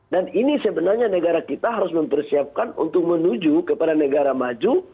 dan ini sebenarnya negara kita harus mempersiapkan untuk menuju kepada negara maju